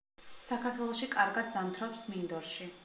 საქართველოში კარგად ზამთრობს მინდორში.